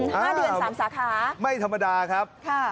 โอ้โห๕เดือน๓สาขาไม่ธรรมดาครับครับ